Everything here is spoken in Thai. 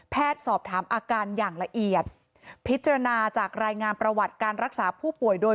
สอบถามอาการอย่างละเอียดพิจารณาจากรายงานประวัติการรักษาผู้ป่วยโดย